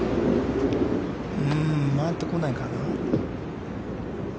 曲がってこないかな。